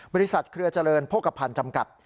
เครือเจริญโภคภัณฑ์จำกัด